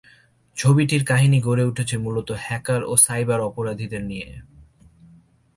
ছবিটির কাহিনী গড়ে উঠেছে মূলত হ্যাকার ও সাইবার অপরাধীদের নিয়ে।